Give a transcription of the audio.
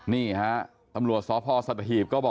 นี่ฮะตำรวจสสัตธิหีพ